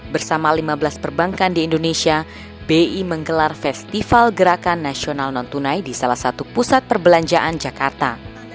bersama lima belas perbankan di indonesia bi menggelar festival gerakan nasional non tunai di salah satu pusat perbelanjaan jakarta